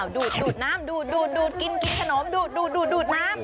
ดูดน้ำดูดกินขนมดูดน้ำ